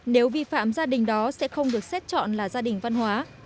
nếu vi phạm gia đình đó sẽ không được xét chọn là gia đình văn hóa